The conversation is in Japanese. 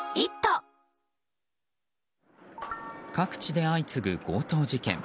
各地で相次ぐ強盗事件。